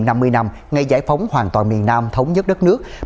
cho mừng kỷ niệm năm mươi năm ngày giải phóng hoàn toàn miền nam thống nhất đất nước